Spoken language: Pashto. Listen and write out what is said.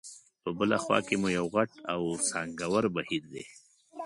په بله خوا کې مو یو غټ او څانګور بهیر دی.